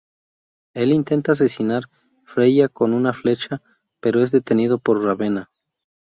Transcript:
Él intenta asesinar Freya con una flecha, pero es detenido por Ravenna.